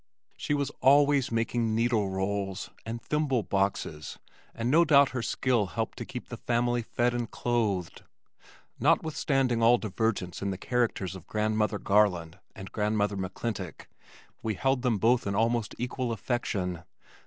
She was always making needle rolls and thimble boxes and no doubt her skill helped to keep the family fed and clothed. Notwithstanding all divergence in the characters of Grandmother Garland and Grandmother McClintock, we held them both in almost equal affection.